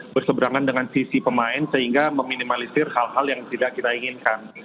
berseberangan dengan sisi pemain sehingga meminimalisir hal hal yang tidak kita inginkan